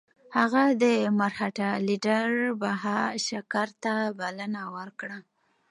هغه د مرهټه لیډر بهاشکر ته بلنه ورکړه.